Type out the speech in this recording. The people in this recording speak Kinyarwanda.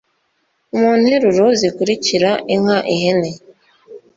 mu nteruro zikurikira inka ihene